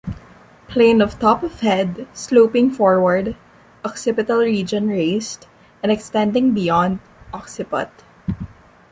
Plane of top of head sloping forward, occipital region raised and extending beyond occiput.